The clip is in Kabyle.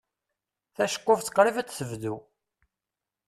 Taceqquft qrib ad tebdu.